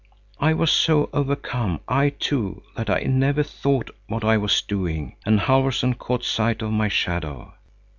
I was so overcome, I too, that I never thought what I was doing, and Halfvorson caught sight of my shadow.